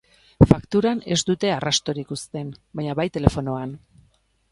Fakturan ez dute arrastorik uzten, baina bai telefonoan.